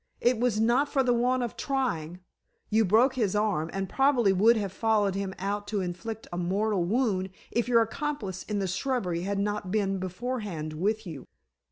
"It was not for the want of trying. You broke his arm, and probably would have followed him out to inflict a mortal wound if your accomplice in the shrubbery had not been beforehand with you."